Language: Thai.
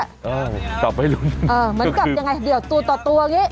เอ้อเหมือนกับยังไงตัวตัวอย่างนี้